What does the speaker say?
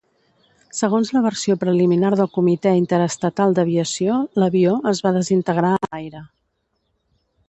Segons la versió preliminar del Comitè Interestatal d'Aviació l'avió es va desintegrar a l'aire.